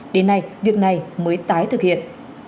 đến nay việc này mới tái thực hiện